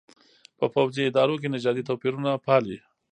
په پوځي ادارو کې نژادي توپېرونه پالي.